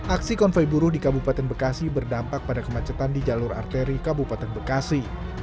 aksi konvei buruh di kabupati bekasi berdampak pada kemacetan di jalur arteri kabupati bekasi